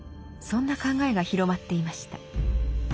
そんな考えが広まっていました。